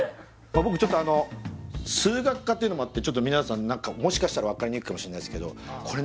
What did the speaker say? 僕ちょっとあの数学科っていうのもあってちょっと皆さん何かもしかしたら分かりにくいかもしれないですがこれね